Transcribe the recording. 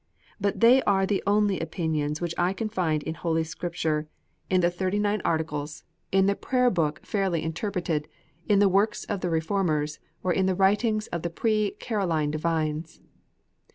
But they are the only opinions which I can find in Holy Scripture, in the Thirty iv PREFACE. V nine Articles, in the Prayer book fairly interpreted, in the works of the Reformers, or in the writings of the pre Caroline divines.